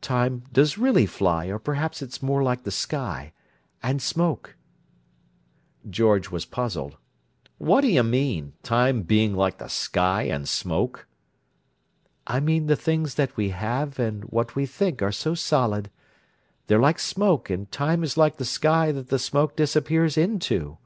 Time does really fly, or perhaps it's more like the sky—and smoke—" George was puzzled. "What do you mean: time being like the sky and smoke?" "I mean the things that we have and that we think are so solid—they're like smoke, and time is like the sky that the smoke disappears into.